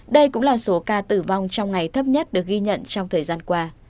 đây cũng là số ca tử vong trong ngày thấp nhất được ghi nhận trong thời gian qua